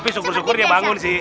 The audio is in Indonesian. tapi syukur syukur ya bangun sih